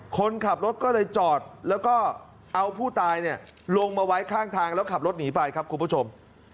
คนขับรถก็เลยจอดแล้วก็เอาผู้ตายลงมาไว้ข้างทางแล้วขับรถหนีไปครับคุณผู้ชม